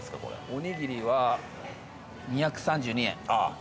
おにぎりは２３２円ああえっ？